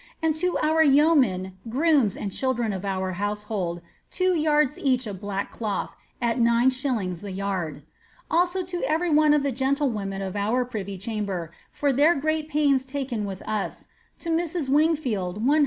And to our yeomen, groomt, and children of our household, two yards each of black cloth, at 9s. the jrsrd. Also lo every one of the gentlewomen of our privy chamber, for their great pains taken with us, to Mrs. Wingfield, 100